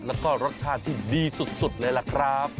แล้วก็รสชาติที่ดีสุดเลยล่ะครับ